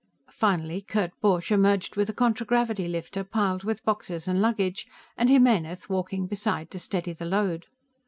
Finally, Kurt Borch emerged with a contragravity lifter piled with boxes and luggage, and Jimenez walking beside to steady the load.